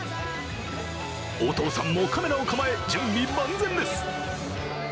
お父さんもカメラを構え、準備万全です。